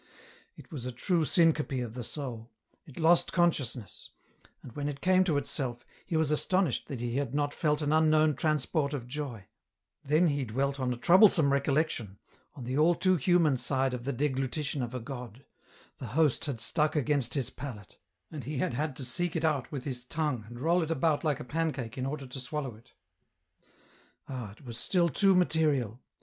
It was a true syncope of the soul ; it lost consciousness ; and when it came to itself, he was astonished that he had not felt an unknown transport of joy ; then he dwelt on a troublesome recollection, on the all too human side of the deglutition of a God ; the Host had stuck against his palate, and he had had to seek it with his tongue and roll it about like a pancake in order to swallow it. Ah ! it was still too material